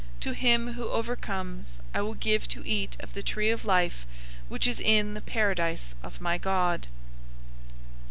To him who overcomes I will give to eat of the tree of life, which is in the Paradise of my God.